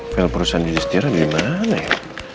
fail perusahaan diri sendiri dimana ya